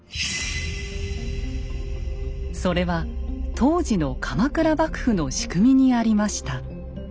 それは当時の鎌倉幕府の仕組みにありました。